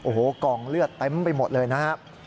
โอ้โหกองเลือดเต็มไปหมดเลยนะครับ